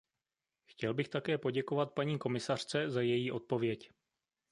Chtěl bych také poděkovat paní komisařce za její odpověď.